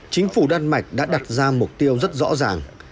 chính phủ đan mạch đã đặt ra mục tiêu rất rõ ràng